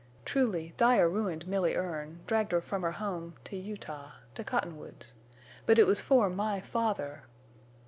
Truly, Dyer ruined Milly Erne—dragged her from her home—to Utah—to Cottonwoods. _But it was for my father!